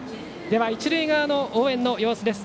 では一塁側の応援の様子です。